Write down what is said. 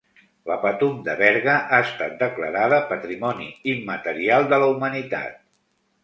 La Patum de Berga ha estat declarada Patrimoni Immaterial de la Humanitat.